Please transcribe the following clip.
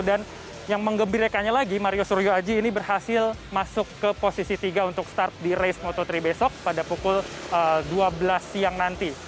dan yang mengembirakannya lagi mario surya aji ini berhasil masuk ke posisi tiga untuk start di race moto tiga besok pada pukul dua belas siang nanti